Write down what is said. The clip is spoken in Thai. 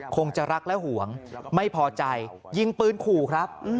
คงจะรักและห่วงไม่พอใจยิงปืนขู่ครับ